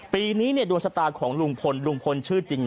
ปีนี้ดวงชะตาของลุงพลลุงพลชื่อจริง